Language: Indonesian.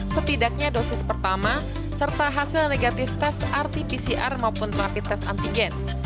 setidaknya dosis pertama serta hasil negatif tes rt pcr maupun rapid test antigen